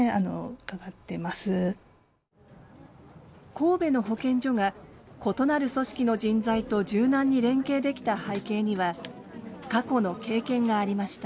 神戸の保健所が異なる組織の人材と柔軟に連携できた背景には過去の経験がありました。